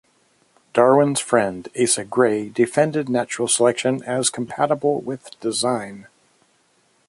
Darwin's friend Asa Gray defended natural selection as compatible with design.